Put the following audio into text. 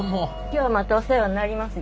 今日またお世話になります。